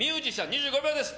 ２５秒です。